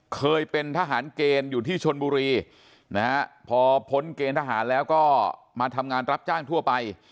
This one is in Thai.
เคยเป็นทหารเกณฑ์อยู่ที่ชนบุรีนะฮะพอพ้นเกณฑ์ทหารแล้วก็มาทำงานรับจ้างทั่วไป